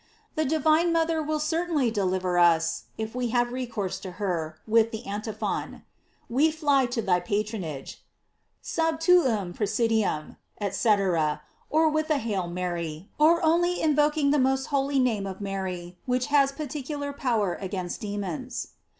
The divine mother will certainly deliver us if we have recourse to her with the Antiphon: We fly to thy patronage: "Sub tuum presidium," etc, or with a "Hail Mary," or only invoking the most holy name of Mary, which has particular power against demons.